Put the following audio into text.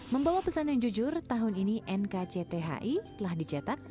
membawa pesan yang jujur tahun ini nkcthi telah dicetak